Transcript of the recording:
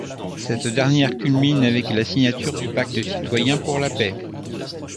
Cette dernière culmine avec la signature du Pacte Citoyen pour la Paix.